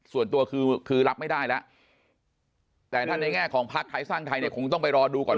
ส่วนตัวคือรับไม่ได้แล้วแต่ถ้าในแง่ของพักไทยสร้างไทยเนี่ยคงต้องไปรอดูก่อน